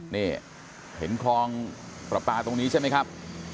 นี่เห็นคลองประปาตรงนี้ใช่ไหมครับ